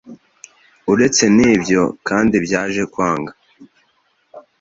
Uretse n’ibyo kanda byaje kwanga